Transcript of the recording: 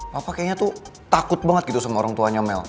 papa kayaknya tuh takut banget gitu sama orangtuanya mel